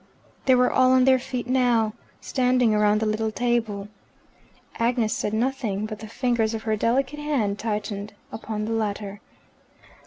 They were all on their feet now, standing round the little table. Agnes said nothing, but the fingers of her delicate hand tightened upon the letter.